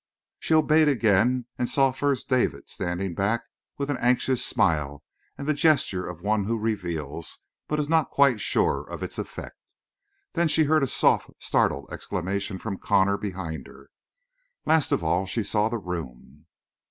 She obeyed again and saw first David standing back with an anxious smile and the gesture of one who reveals, but is not quite sure of its effect. Then she heard a soft, startled exclamation from Connor behind her. Last of all she saw the room.